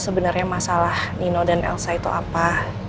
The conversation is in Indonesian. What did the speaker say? sebenarnya masalah nino dan elsa itu apa